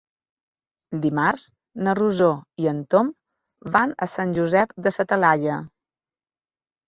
Dimarts na Rosó i en Tom van a Sant Josep de sa Talaia.